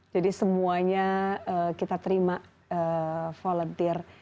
jadi semuanya kita terima volunteer